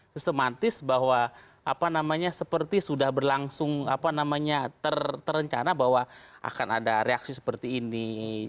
sistematis bahwa seperti sudah berlangsung terencana bahwa akan ada reaksi seperti ini